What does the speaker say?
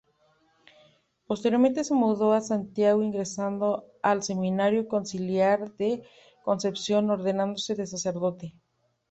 Posteriormente se mudó a Santiago ingresando al Seminario Conciliar de Concepción ordenándose de sacerdote.